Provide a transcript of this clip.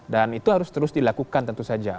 dan itu harus terus dilakukan tentu saja